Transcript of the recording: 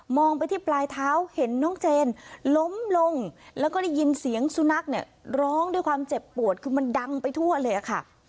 ไปที่ปลายเท้าเห็นน้องเจนล้มลงแล้วก็ได้ยินเสียงสุนัขเนี่ยร้องด้วยความเจ็บปวดคือมันดังไปทั่วเลยค่ะ